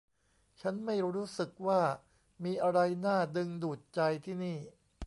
ฉันไม่รู้สึกว่ามีอะไรน่าดึงดูดใจที่นี่